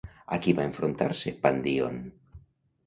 A qui va enfrontar-se Pandíon?